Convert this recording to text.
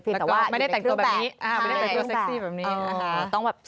แล้วก็ไม่ได้แต่งตัวแบบนี้ไม่ได้แต่งตัวแบบนี้